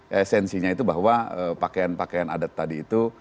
esensinya itu bahwa pakaian pakaian adat tadi itu